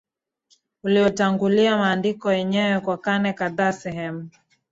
uliotangulia maandiko yenyewe kwa karne kadhaa Sehemu